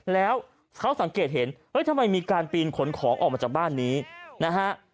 แล้วเขาสังเกตเห็นทำไมมีการปีนขนของออกมาจากบ้านนี้นะฮะ